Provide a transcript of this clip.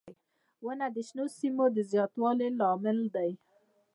• ونه د شنو سیمو د زیاتوالي لامل دی.